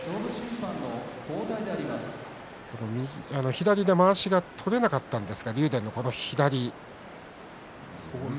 左でまわしが取れなかったんですが竜電のこのあたり。